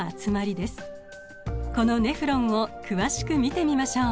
このネフロンを詳しく見てみましょう。